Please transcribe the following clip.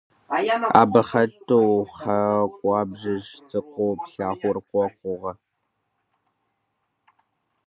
Абы хэту, хьэ гъуабжэжь цӀыкӀуу плъагъур къокъугъ.